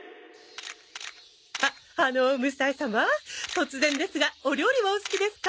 突然ですがお料理はお好きですか？